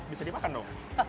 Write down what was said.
bisa dimakan dong